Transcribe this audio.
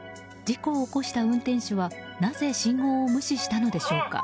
事故を起こした運転手はなぜ信号を無視したのでしょうか。